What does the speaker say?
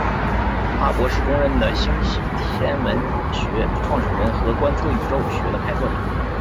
哈勃是公认的星系天文学创始人和观测宇宙学的开拓者。